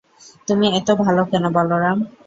তুমি এতো ভালো কেন, বলরাম?